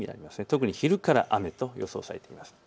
特に昼から雨と予想されています。